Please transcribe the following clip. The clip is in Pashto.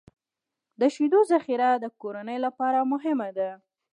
د شیدو ذخیره د کورنۍ لپاره مهمه ده.